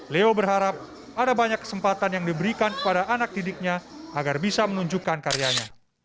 leo berharap ada banyak kesempatan yang diberikan kepada anak didiknya agar bisa menunjukkan karyanya